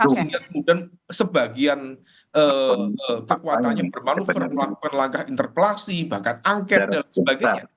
sehingga kemudian sebagian kekuatan yang bermanuver melakukan langkah interpelasi bahkan angket dan sebagainya